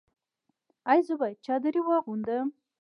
ایا زه باید چادري واغوندم؟